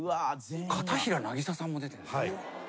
片平なぎささんも出てるんですね。